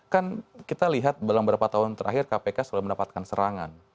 kan kita lihat dalam beberapa tahun terakhir kpk sudah mendapatkan serangan